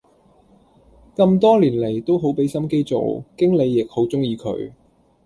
咁多年黎都好俾心機做，經理亦好鍾意佢